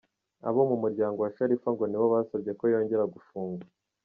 Abo mu muryango wa Sharifa ngo nibo basabye ko yongera gufungwa.